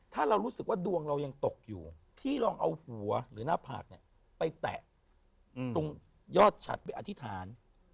ถ้าเรารู้สึกว่าดวงเรายังตกอยู่ที่ลองเอาหัวหรือหน้าผากเนี่ยไปแตะตรงยอดฉัดไปอธิษฐาน